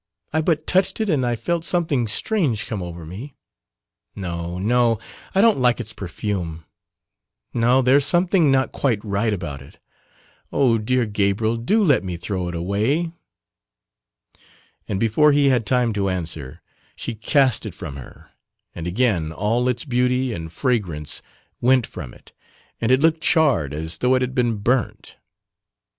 I but touched it and I felt something strange come over me. No, no, I don't like its perfume, no there's something not quite right about it, oh, dear Gabriel, do let me throw it away," and before he had time to answer, she cast it from her, and again all its beauty and fragrance went from it and it looked charred as though it had been burnt.